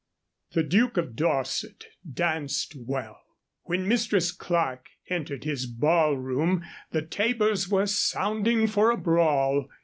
The Duke of Dorset danced well. When Mistress Clerke entered his ballroom the tabors were sounding for a brawl.